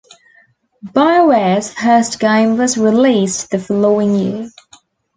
BioWare's first game was released the following year.